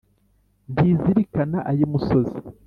ntikizirikana ay’imusozi,